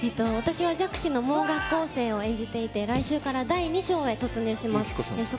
私は弱視の盲学校生を演じていて、来週から第２章に突入します。